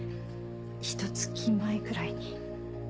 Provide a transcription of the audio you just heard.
ひと月前ぐらいに。